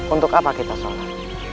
untuk apa kita sholat